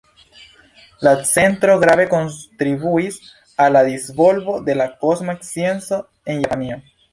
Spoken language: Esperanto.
La centro grave kontribuis al la disvolvo de la kosma scienco en Japanio.